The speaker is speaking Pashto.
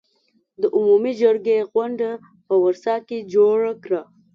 د عمومي جرګې غونډه په ورسا کې جوړه کړه.